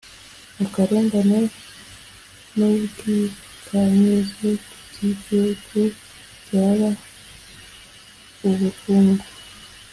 akarengane n’ ubwikanyize ku by’igihugu byaba ubukungu